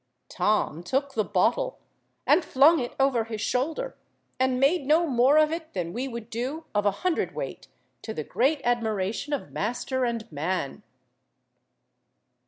Tom took the bottle, and flung it over his shoulder, and made no more of it than we would do of a hundredweight, to the great admiration of master and man.